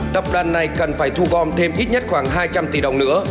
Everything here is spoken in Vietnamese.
tập đoàn này cần phải thu gom thêm ít nhất khoảng hai trăm linh tỷ đồng nữa